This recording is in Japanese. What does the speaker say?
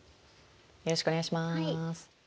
よろしくお願いします。